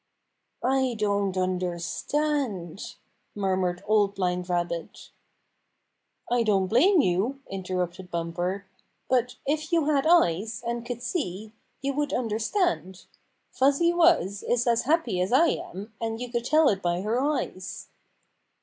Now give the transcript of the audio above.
"I don't understand," murmured Old Blind Rabbit. "I don't blame you," interrupted Bumper. " But if you had eyes, and could see, you would understand. Fuzzy Wuzz is as happy as I am, and you could tell it by her eyes."